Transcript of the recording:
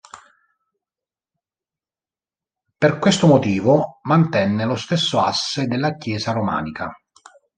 Per questo motivo mantenne lo stesso asse della chiesa romanica.